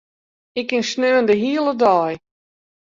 Ik kin saterdei de hiele dei.